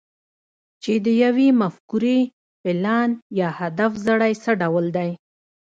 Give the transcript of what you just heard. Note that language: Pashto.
چې د يوې مفکورې، پلان، يا هدف زړی څه ډول دی؟